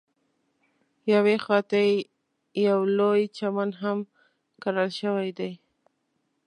یوې خواته یې یو لوی چمن هم کرل شوی دی.